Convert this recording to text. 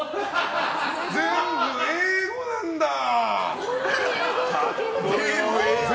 全部英語なんだー！